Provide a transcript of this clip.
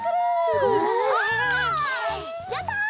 すごい！やった！